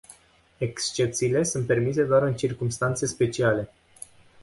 Excepțiile sunt permise doar în circumstanțe speciale.